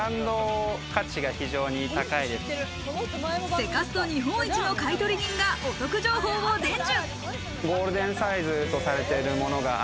セカスト日本一の買取人がお得情報を伝授。